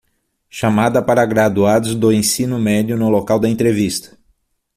Chamada para graduados do ensino médio no local da entrevista